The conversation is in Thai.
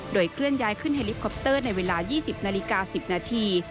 โดยเคลื่อนย้ายขึ้นเฮลิคอปเตอร์ในเวลา๒๐นาฬิกา๑๐นาที